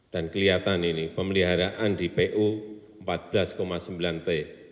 dan kelihatan ini pemeliharaan di pu empat belas sembilan t